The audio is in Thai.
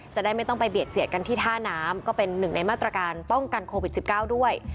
จะได้ไม่ต้องไปเบียดเสียดกันที่ท่าน้ำก็เป็นหนึ่งในมาตรการป้องกันโควิด๑๙ด้วย